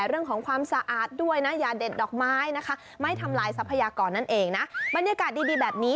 บรรยากาศดีบีแบบนี้